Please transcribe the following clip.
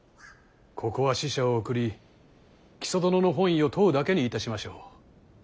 ここは使者を送り木曽殿の本意を問うだけにいたしましょう。